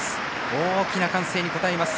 大きな歓声に答えます。